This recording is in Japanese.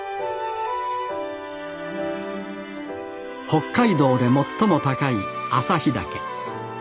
北海道で最も高い旭岳。